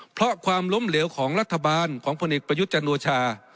เพราะความล้มเหลวของรัฐบาลของพลเอกประยุทธ์จันโอชา